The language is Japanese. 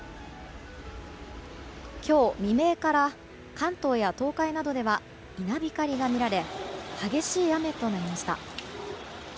今日未明から関東や東海などでは稲光が見られ激しい雨となりました。